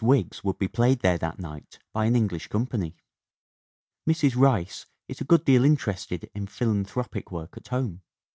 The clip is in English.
Wiggs would be played there that night by an English com pany!" Mrs. Rice is a good deal interested in philanthropic work at home.